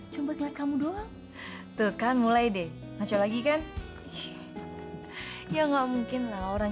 coba liat kamu doang tuh kan mulai deh maco lagi kan ya nggak mungkinlah orang